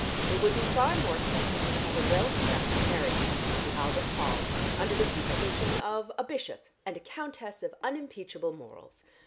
It would be far more sensible to have a well conducted marriage market at the Albert Hall, under the supervision of a bishop and a countess of unimpeachable morals.